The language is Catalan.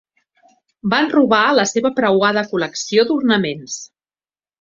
Van robar la seva preuada col·lecció d'ornaments.